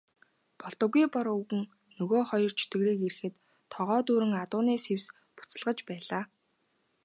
Болдоггүй Бор өвгөн нөгөө муу хоёр чөтгөрийг ирэхэд тогоо дүүрэн адууны сэвс буцалгаж байжээ.